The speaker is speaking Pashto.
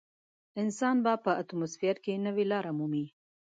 انسان به په اتموسفیر کې نوې لارې مومي.